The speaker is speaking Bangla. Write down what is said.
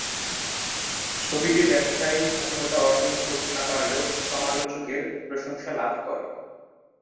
ছবিটি ব্যবসায়িক সফলতা অর্জন করতে না পারলেও সমালোচকের প্রশংসা লাভ করে।